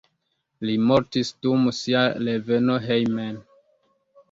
Li mortis dum sia reveno hejmen.